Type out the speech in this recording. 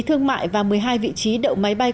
thương mại và một mươi hai vị trí đậu máy bay